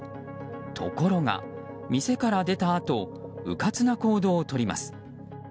ところが、店から出たあとうかつな行動をとります。